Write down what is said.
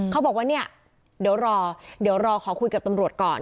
เขาบอกว่าเนี่ยเดี๋ยวรอเดี๋ยวรอขอคุยกับตำรวจก่อน